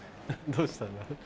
どうしたんだろ？